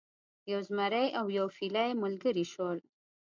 یو زمری او یو فیلی ملګري شول.